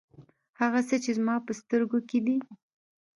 هغه څه چې زما په سترګو کې دي.